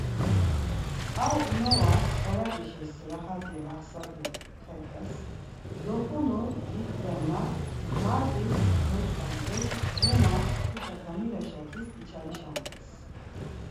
Ar inovas ǩaraǩişiz raxat̆i raxsati xet̆tes, Doxunu dit̆kfenna. Mart̆iz goçǩamt̆es guma tuta gamilaşaǩis içalişamtes.